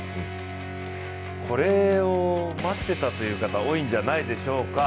これを待ってたという方、多いんじゃないでしょうか。